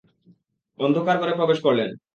অন্ধকার ঘরে প্রবেশ করলেন।